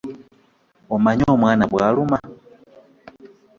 Omanyi omwana bwaluma?